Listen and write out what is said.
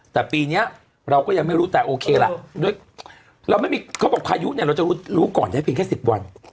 แต่ปีนี้เราก็ยังไม่รู้แต่โอเคล่ะด้วยเราไม่มีเขาบอกพายุเนี่ยเราจะรู้ก่อนได้เพียงแค่๑๐วัน